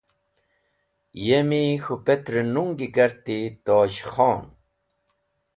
Yemi k̃hũ petr-e nungi karti Tosh Khon.